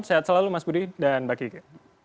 sehat selalu mas budi dan mbak kiki